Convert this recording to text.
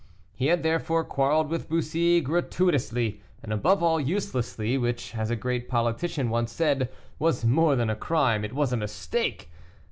He had therefore quarreled with Bussy gratuitously, and, above all, uselessly, which as a great politician once said, "was more than a crime, it was a mistake!"